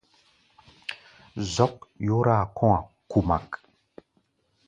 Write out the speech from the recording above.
Zɔ́k yóráa kɔ̧́-a̧ kumak.